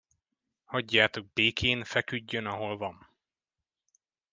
Hagyjátok békén, feküdjön, ahol van.